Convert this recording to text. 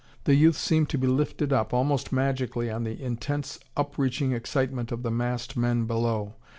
The youth seemed to be lifted up, almost magically on the intense upreaching excitement of the massed men below.